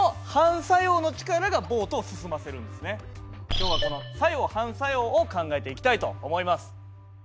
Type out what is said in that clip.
今日はこの「作用・反作用」を考えていきたいと思います。